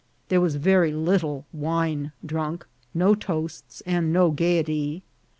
There was very little wine drunk, no toasts, and no gay ety.